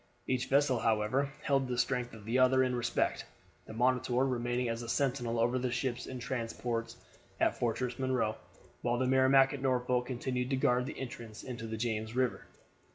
Each vessel however held the strength of the other in respect, the Monitor remaining as sentinel over the ships and transports at Fortress Monroe, while the Merrimac at Norfolk continued to guard the entrance into the James River.